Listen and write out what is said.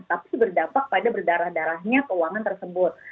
tapi berdampak pada berdarah darahnya keuangan tersebut